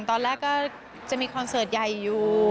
ตอนแรกก็จะมีคอนเสิร์ตใหญ่อยู่